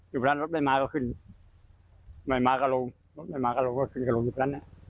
อยู่ข้างนั้นรถไม่มาก็ขึ้นไม่มาก็ลงรถไม่มาก็ลงก็ขึ้นกันลงอยู่ข้างนั้นฮะ